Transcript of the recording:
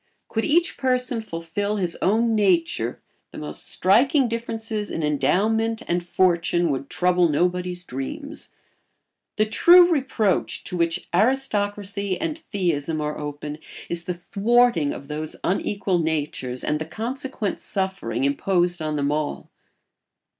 Could each person fulfil his own nature the most striking differences in endowment and fortune would trouble nobody's dreams. The true reproach to which aristocracy and theism are open is the thwarting of those unequal natures and the consequent suffering imposed on them all.